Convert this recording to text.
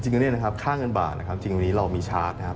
เนี่ยนะครับค่าเงินบาทนะครับจริงวันนี้เรามีชาร์จนะครับ